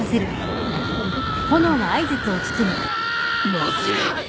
まずい！